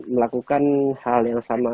melakukan hal yang sama